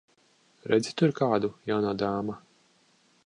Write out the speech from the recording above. Redzi tur kādu, jaunā dāma?